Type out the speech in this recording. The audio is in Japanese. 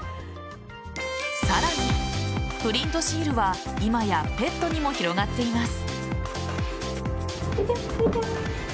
さらにプリントシールは今やペットにも広がっています。